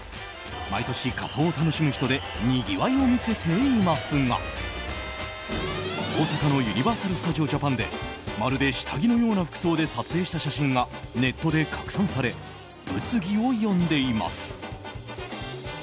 毎年、仮装を楽しむ人でにぎわいを見せていますが大阪のユニバーサル・スタジオ・ジャパンでまるで下着のような服装で撮影した写真がネットで拡散され物議を呼んでいます。